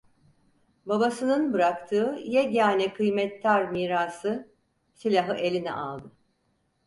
Babasının bıraktığı yegâne kıymettar mirası, silahı eline aldı.